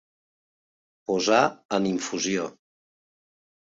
Posar en infusió.